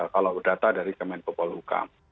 kalau berdata dari kemenko polo hukam